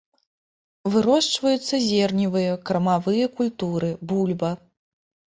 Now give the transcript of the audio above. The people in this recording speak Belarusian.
Вырошчваюцца зерневыя, кармавыя культуры, бульба.